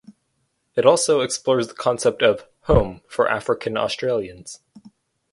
It also explores the concept of "home" for African Australians.